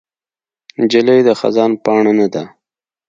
نجلۍ د خزان پاڼه نه ده.